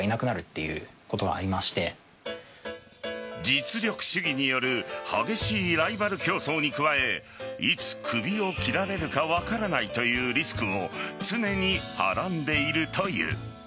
実力主義による激しいライバル競争に加えいつ首を切られるか分からないというリスクを常にはらんでいるという。